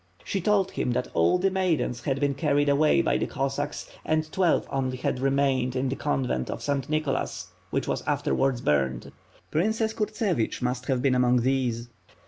She told him that all the maidens had been carried away by the Cossacks and twelve only had remained in the convent of St. Nicholas, which was afterwards burned. Princess Kurtsevich must have been among these.